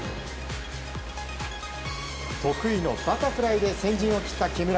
得意のバタフライで先陣を切った木村。